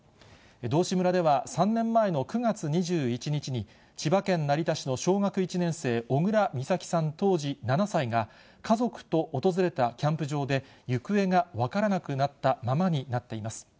道志村では、３年前の９月２１日に、千葉県成田市の小学１年生、小倉美咲さん、当時７歳が、家族と訪れたキャンプ場で、行方が分からなくなったままになっています。